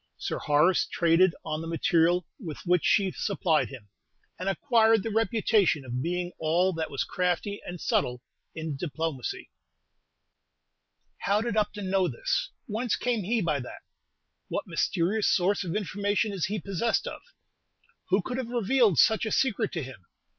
Sir Horace traded on the material with which she supplied him, and acquired the reputation of being all that was crafty and subtle in diplomacy. How did Upton know this? Whence came he by that? What mysterious source of information is he possessed of? Who could have revealed such a secret to him?